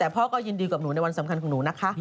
แต่พ่อก็ยินดีกับหนูในวันสำคัญของหนูนะคะ